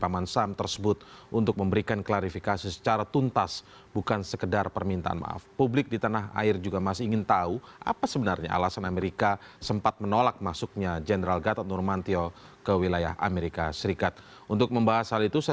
mumtazah catra diningrat cnn indonesia